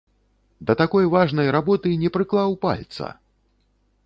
Да такой важнай работы не прыклаў пальца!